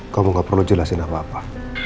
kamu gak perlu jelasin apa apa